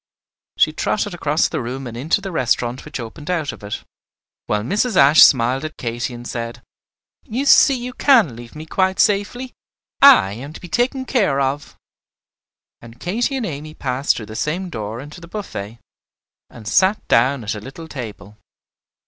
She trotted across the room and into the restaurant which opened out of it, while Mrs. Ashe smiled at Katy and said, "You see you can leave me quite safely; I am to be taken care of." And Katy and Amy passed through the same door into the buffet, and sat down at a little table.